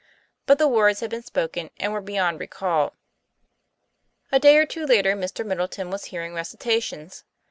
But the words had been spoken, and were beyond recall. A day or two later, Mr. Middleton was hearing recitations.